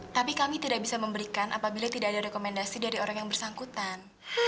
tapi kami tidak bisa memberikan apabila tidak ada rekomendasi dari orang yang bersangkutan